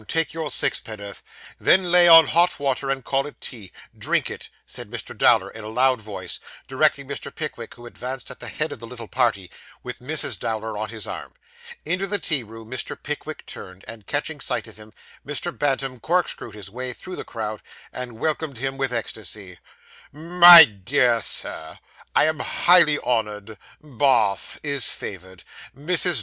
Take your sixpenn'orth. Then lay on hot water, and call it tea. Drink it,' said Mr. Dowler, in a loud voice, directing Mr. Pickwick, who advanced at the head of the little party, with Mrs. Dowler on his arm. Into the tea room Mr. Pickwick turned; and catching sight of him, Mr. Bantam corkscrewed his way through the crowd and welcomed him with ecstasy. 'My dear Sir, I am highly honoured. Ba ath is favoured. Mrs.